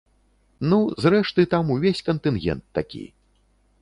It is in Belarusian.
Ну, зрэшты, там увесь кантынгент такі.